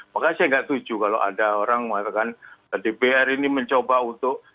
makanya saya nggak setuju kalau ada orang mengatakan dpr ini mencoba untuk